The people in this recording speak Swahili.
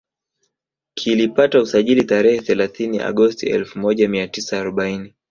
Kilipata usajili tarehe thealathini Agosti elfu moja mia tisa arobaini